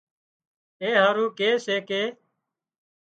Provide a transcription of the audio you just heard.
اين هارو ڪي سي ڪي